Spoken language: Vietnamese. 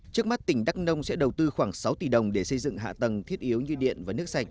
trước mắt tỉnh đắk nông sẽ đầu tư khoảng sáu tỷ đồng để xây dựng hạ tầng thiết yếu như điện và nước sạch